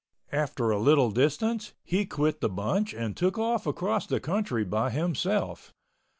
After a little distance he quit the bunch and took off across the country by himself.